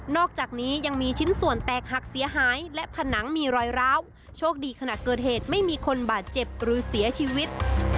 อกจากนี้ยังมีชิ้นส่วนแตกหักเสียหายและผนังมีรอยร้าวโชคดีขณะเกิดเหตุไม่มีคนบาดเจ็บหรือเสียชีวิต